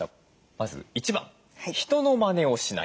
まず１番人のマネをしない。